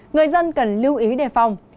người dân cần lưu ý đề phòng